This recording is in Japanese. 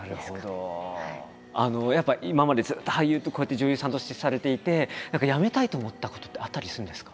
やっぱり今までずっと俳優こうやって女優さんとしてされていて何かやめたいと思ったことってあったりするんですか？